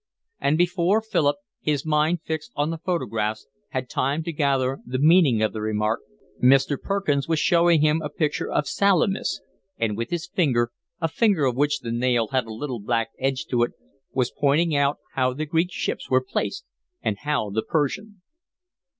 And before Philip, his mind fixed on the photographs, had time to gather the meaning of the remark, Mr. Perkins was showing him a picture of Salamis, and with his finger, a finger of which the nail had a little black edge to it, was pointing out how the Greek ships were placed and how the Persian.